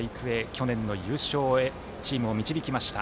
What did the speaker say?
去年の優勝へチームを導きました。